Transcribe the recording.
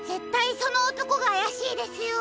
そのおとこがあやしいですよ。